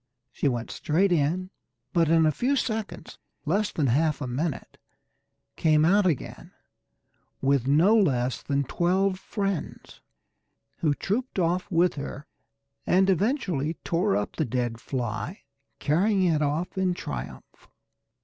She went straight in, but in a few seconds less than half a minute came out again with no less than twelve friends, who trooped off with her, and eventually tore up the dead fly, carrying it off in triumph.